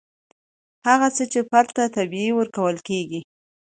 هغه څه چې فرد ته طبیعي ورکول کیږي.